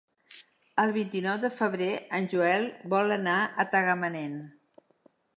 El vint-i-nou de febrer en Joel vol anar a Tagamanent.